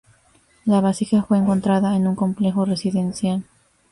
La vasija fue encontrada en un complejo residencial.